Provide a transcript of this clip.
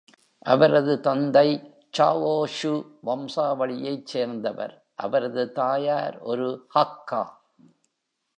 அவரது தந்தை Chaozhou வம்சாவளியைச் சேர்ந்தவர், அவரது தாயார் ஒரு Hakka.